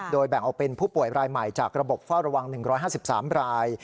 โดยแบ่งออกเป็นผู้ป่วยรายใหม่จากระบบเฝ้าระวัง๑๕๓ราย